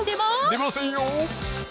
出ませんよ！